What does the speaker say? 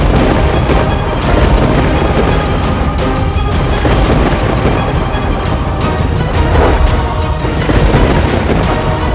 dia tidak akan berguna